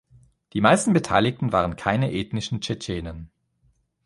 Die meisten Beteiligten waren keine ethnischen Tschetschenen.